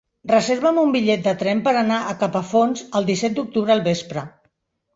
Reserva'm un bitllet de tren per anar a Capafonts el disset d'octubre al vespre.